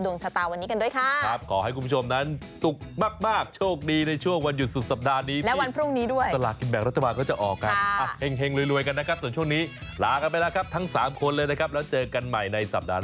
แล้วเจอกันใหม่ในสัปดาห์หน้าสำหรับวันนี้สวัสดีครับ